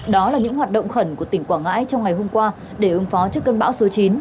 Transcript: đó là những hoạt động khẩn của tỉnh quảng ngãi trong ngày hôm qua để ứng phó trước cơn bão số chín